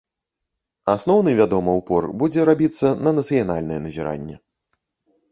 Асноўны, вядома, упор будзе рабіцца на нацыянальнае назіранне.